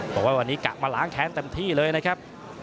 บอกว่าวันนี้กะมาล้างแค้นเต็มที่เลยนะครับ